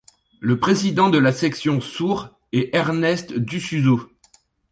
Le président de la section Sourds est Ernest Dusuzeau.